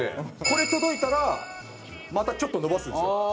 これ届いたらまたちょっと伸ばすんですよ。